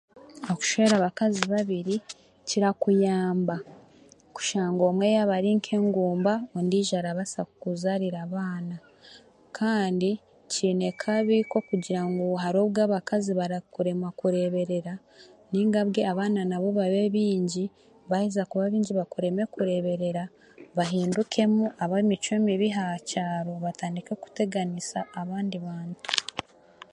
Okushwera abakazi babiri kirakuyamba kushanga omwe yaaba ari nk'engumba ondiijo arabaasa kukuzaarira abaana kandi kiine akabi k'okugira ngu hariho obu abakazi barakurema kureeberera nainga bwe abaana nabo baingi baaheza kuba baingi bakureme kureeberera bahindukemu ab'emicwe mibi aha kyaro batandike kuteganisa abandi bantu